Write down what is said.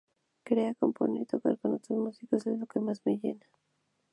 Crear, componer y tocar con otros músicos es lo que más me llena.